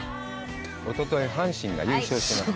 おととい、阪神が優勝しました。